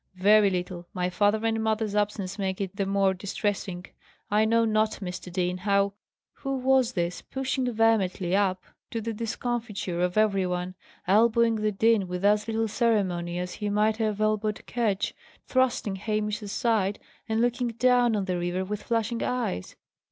"Very little. My father and mother's absence makes it the more distressing. I know not, Mr. Dean, how " Who was this, pushing vehemently up, to the discomfiture of every one, elbowing the dean with as little ceremony as he might have elbowed Ketch, thrusting Hamish aside, and looking down on the river with flashing eyes?